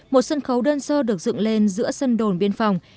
một sân khấu đơn sơ được dựng lên giữa sân đồn biên phòng